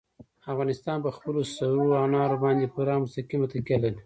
افغانستان په خپلو سرو انارو باندې پوره او مستقیمه تکیه لري.